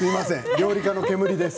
料理家の煙です。